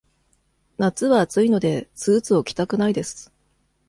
夏は暑いので、スーツを着たくないです。